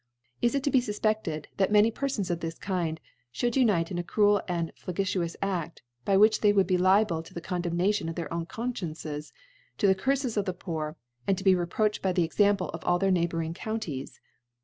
Is it to be fuf pefted, that many Perfons of this Kinci fhould unite in a cruel and flagitious Afl, by which they would be liable to the Condem nation of their own Confciences, to the Curfes of the Poor, and to be reproached by the Example of all their neighbouring Counties?